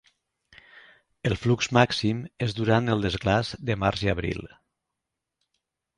El flux màxim és durant el desglaç de març i abril.